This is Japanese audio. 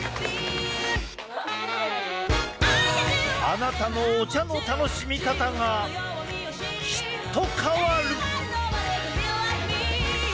あなたのお茶の楽しみ方がきっと変わる！